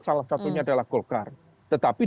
salah satunya adalah golkar tetapi